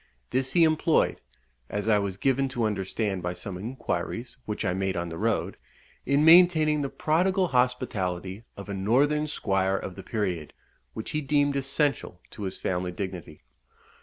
This he employed (as I was given to understand by some inquiries which I made on the road) in maintaining the prodigal hospitality of a northern squire of the period, which he deemed essential to his family dignity.